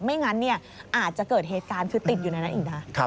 ไม่งั้นอาจจะเกิดเหตุการณ์คือติดอยู่ในนั้นอีกนะ